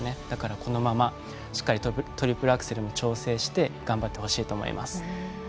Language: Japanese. だから、このまましっかりトリプルアクセルも挑戦して頑張ってほしいと思います。